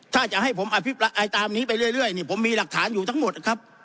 ถ้าจะให้ผมอภิปรายตามนี้ไปเรื่อยนี่ผมมีหลักฐานอยู่ทั้งหมดครับ